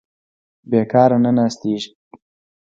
بېکاره نه ناستېږي.